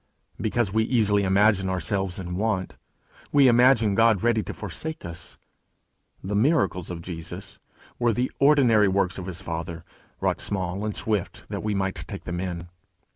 Because we easily imagine ourselves in want, we imagine God ready to forsake us. The miracles of Jesus were the ordinary works of his Father, wrought small and swift that we might take them in.